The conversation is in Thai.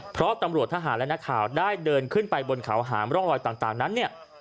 เพราะตำรวจทหารและนักข่าวได้เดินขึ้นไปบนเขาหามร่องรอยต่างนั้นเนี่ย